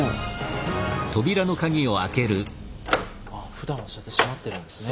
ふだんはそうやって閉まってるんですね。